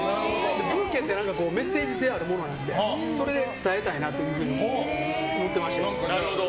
ブーケってメッセージ性あるものなのでそれを伝えたいなと思ってまして。